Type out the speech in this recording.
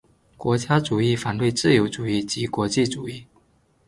国家主义反对自由主义及国际主义。